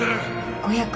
５００円